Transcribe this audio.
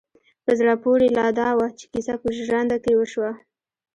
په زړه پورې لا دا وه چې کيسه په ژرنده کې وشوه.